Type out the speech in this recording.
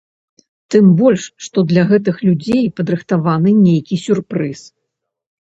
Тым больш, што для гэтых людзей падрыхтаваны нейкі сюрпрыз.